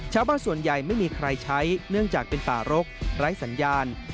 ชาวบ้านส่วนใหญ่ไม่มีใครใช้เนื่องจากเป็นป่ารกไร้สัญญาณ